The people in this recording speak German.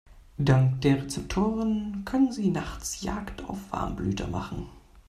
Dank der Rezeptoren können sie nachts Jagd auf Warmblüter machen.